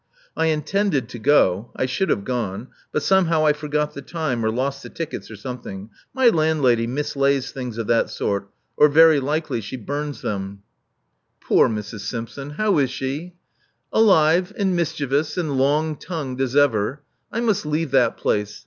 I intended to go — I should have gone. But some how I forgot the time, or lost the tickets, or some thing. My landlady mislays things of that sort; or very likely she bums them.*' 420 Love Among the Artists P()(>r Mrs. Simpson! How is she?" AHvt\ and mischievous, and long" tong^ed as ever. I must leave that place.